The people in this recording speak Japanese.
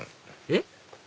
えっ？